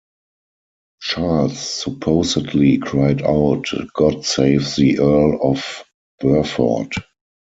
Charles supposedly cried out God save the Earl of Burford!